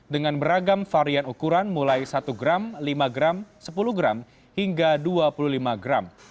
dengan beragam varian ukuran mulai satu gram lima gram sepuluh gram hingga dua puluh lima gram